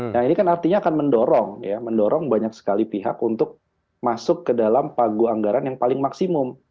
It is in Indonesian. nah ini kan artinya akan mendorong ya mendorong banyak sekali pihak untuk masuk ke dalam pagu anggaran yang paling maksimum